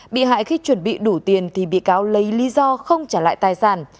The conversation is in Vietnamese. bị hại khi chuẩn bị đủ tiền thì bị cáo lấy lý do không trả lại tài sản